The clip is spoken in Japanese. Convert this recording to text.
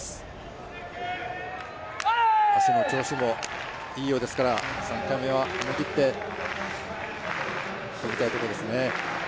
足の調子もいいようですから、３回目は思い切って跳びたいところですね。